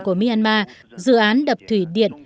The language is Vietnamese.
của myanmar dự án đập thủy điện